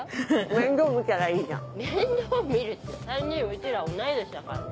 面倒見るって３人うちら同い年だからね？